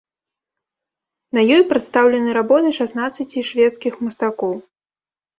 На ёй прадстаўлены работы шаснаццаці шведскіх мастакоў.